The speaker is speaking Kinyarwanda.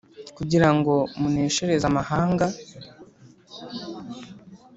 kugira ngo muneshereze amahanga